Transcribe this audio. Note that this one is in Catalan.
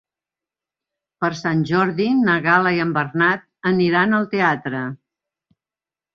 Per Sant Jordi na Gal·la i en Bernat aniran al teatre.